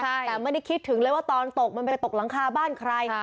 แต่ไม่ได้คิดถึงเลยว่าตอนตกมันไปตกหลังคาบ้านใคร